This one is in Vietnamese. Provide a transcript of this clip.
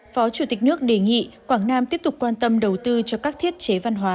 phó chủ tịch nước đề nghị quảng nam tiếp tục quan tâm đầu tư cho các thiết chế văn hóa